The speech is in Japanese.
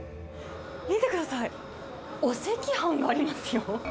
見てください、お赤飯がありますよ。